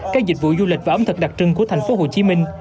các dịch vụ du lịch và ấm thật đặc trưng của thành phố hồ chí minh